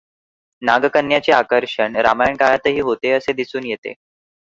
नागकन्यांचे आकर्षण रामायण काळातही होते असे दिसून येते.